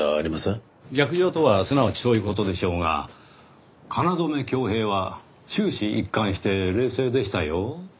逆上とはすなわちそういう事でしょうが京匡平は終始一貫して冷静でしたよ。